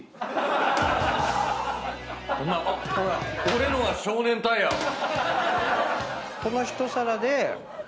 俺のは少年隊やわ。